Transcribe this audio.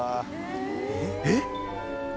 ・えっ？